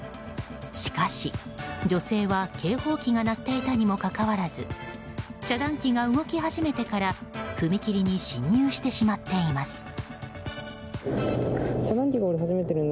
しかし、女性は警報器が鳴っていたにもかかわらず遮断機が動き始めてから踏切に進入してしまっています。